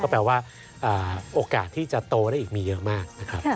แปลว่าโอกาสที่จะโตได้อีกมีเยอะมากนะครับ